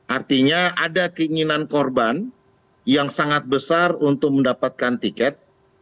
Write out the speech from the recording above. artinya ada keinginan korban yang sangat besar untuk mendapatkan tiket